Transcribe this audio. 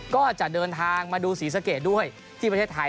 ก็จะเดินทางมาดูศรีสะเกดด้วยที่ประเทศไทย